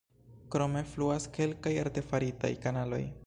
Krome fluas kelkaj artefaritaj kanaloj.